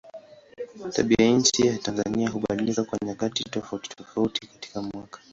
Tabianchi ya Tanzania hubadilika kwa nyakati tofautitofauti katika mwaka.